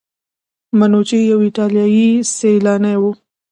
منوچي یو ایټالیایی سیلانی و.